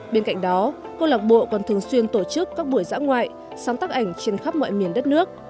bên cạnh đó câu lạc bộ còn thường xuyên tổ chức các buổi dã ngoại sáng tác ảnh trên khắp mọi miền đất nước